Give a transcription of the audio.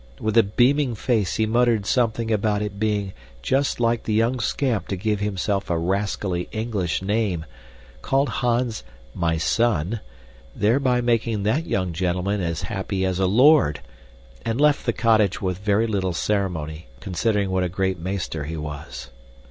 With a beaming face he muttered something about its being just like the young scamp to give himself a rascally English name, called Hans "my son," thereby making that young gentleman as happy as a lord, and left the cottage with very little ceremony, considering what a great meester he was.